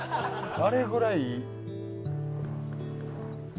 あれぐらいいい。